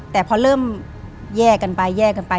แต่พอเริ่มแยกกันไปแยกกันไป